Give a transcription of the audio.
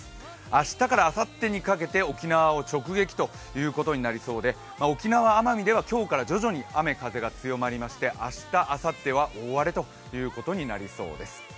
明日からあさってにかけて沖縄を直撃ということになりそうで沖縄・奄美では今日から徐々に雨・風が強まりまして、明日、あさっては大荒れということになりそうです。